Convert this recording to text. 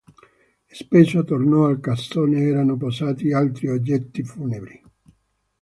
Spesso attorno al cassone erano posati altri oggetti funebri.